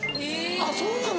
あっそうなの。